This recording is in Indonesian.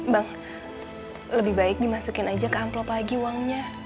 bang lebih baik dimasukin aja ke amplop lagi uangnya